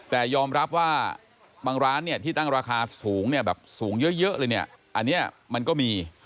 แต่ยอมรับว่าบางร้านที่ตั้งราคาสูงเยอะอันนี้มันก็มี